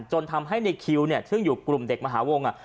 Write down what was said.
จนทำให้ในคิวเนี่ยซึ่งอยู่กลุ่มเด็กมหาวง